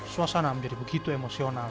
suasana menjadi begitu emosional